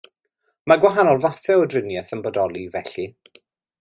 Mae gwahanol fathau o driniaeth yn bodoli, felly.